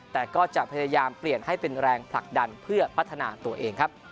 แต่ก็จะพยายามเปลี่ยนให้เป็นแรงผลักดันเพื่อพัฒนาตัวเองครับ